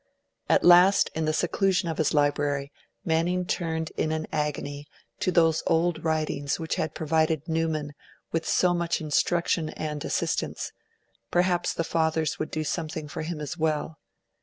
At last, in the seclusion of his library, Manning turned in agony to those old writings which had provided Newman with so much instruction and assistance; perhaps the Fathers would do something for him as well.